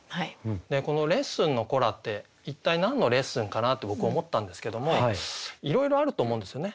この「レッスンの子ら」って一体何のレッスンかな？って僕思ったんですけどもいろいろあると思うんですよね。